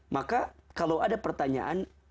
maka kalau ada pertanyaan